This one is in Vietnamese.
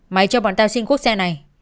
mày cho bọn tao xin khuất xe này